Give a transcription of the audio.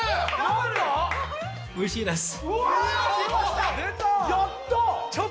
おいしいです。